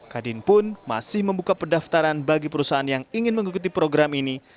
kadin pun masih membuka pendaftaran bagi perusahaan yang ingin mengikuti program ini